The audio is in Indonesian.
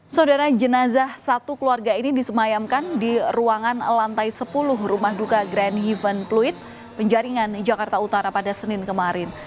saudara jenazah satu keluarga ini disemayamkan di ruangan lantai sepuluh rumah duka grand huven pluit penjaringan jakarta utara pada senin kemarin